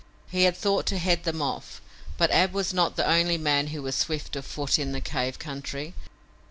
He had thought to head them off, but Ab was not the only man who was swift of foot in the cave country.